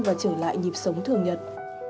và trở lại nhịp sống thường nhật